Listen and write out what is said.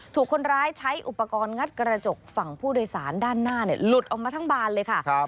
ถูกคนร้ายใช้อุปกรณ์งัดกระจกฝั่งผู้โดยสารด้านหน้าหลุดออกมาทั้งบานเลยค่ะ